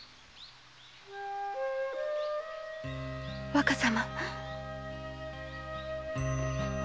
若様。